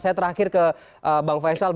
saya terakhir ke bang faisal